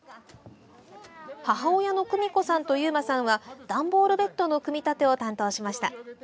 母親の久美子さんと勇馬さんは段ボールベッドの組み立てを担当しました。